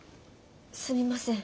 すみません。